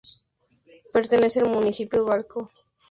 Pertenece al municipio Balko-Grúzskoye.